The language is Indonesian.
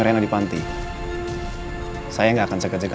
kenapa ini membahasa chloride